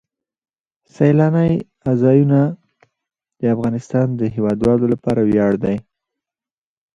سیلانی ځایونه د افغانستان د هیوادوالو لپاره ویاړ دی.